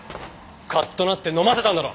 カッとなって飲ませたんだろ。